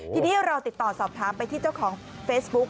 ทีนี้เราติดต่อสอบถามไปที่เจ้าของเฟซบุ๊ก